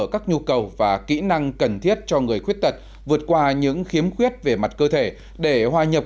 các nhu cầu và kỹ năng cần thiết cho người khuyết tật vượt qua những khiếm khuyết về mặt cơ thể để hòa nhập